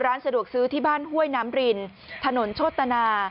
ร้านสะดวกซื้อที่บ้านห้วยน้ำรินถนนโชตนา